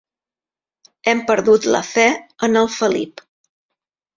Hem perdut la fe en el Felip.